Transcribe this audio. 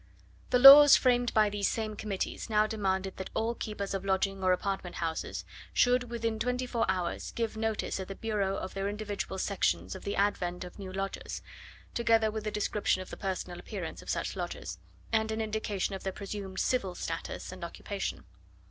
The laws framed by these same committees now demanded that all keepers of lodging or apartment houses should within twenty four hours give notice at the bureau of their individual sections of the advent of new lodgers, together with a description of the personal appearance of such lodgers, and an indication of their presumed civil status and occupation.